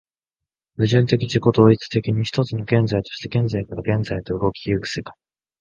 矛盾的自己同一的に、一つの現在として現在から現在へと動き行く世界